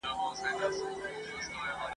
او رنګینو ګلونو وطن دی !.